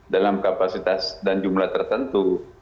dalam kapasitas dan jumlah tertentu